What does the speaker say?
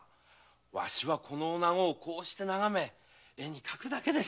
わしはこの女子をこうして眺め絵に描くだけで幸せじゃ。